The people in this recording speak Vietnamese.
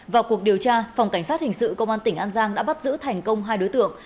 vào cuộc điều tra phòng cảnh sát hình sự công an tỉnh an giang đã bắt giữ thành công hai đối tượng